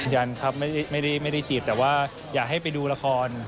ยังครับไม่ได้จีบแต่ว่าอยากให้ไปดูละคร